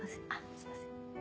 すいません。